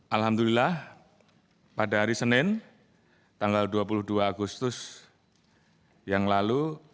alhamdulillah pada hari senin tanggal dua puluh dua agustus yang lalu